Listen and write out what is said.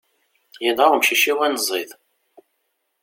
Yenɣa umcic-iw anziḍ.